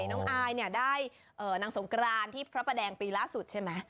น้องอายเนี่ยได้นางสงกรานที่พระประแดงปีล่าสุดใช่ไหม